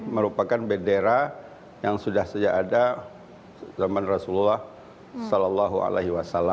merupakan bendera yang sudah sejak ada zaman rasulullah saw